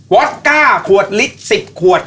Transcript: วัตก้าขวดลิสต์๑๐ขวด